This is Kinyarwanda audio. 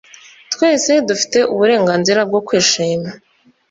Twese dufite uburenganzira bwo kwishima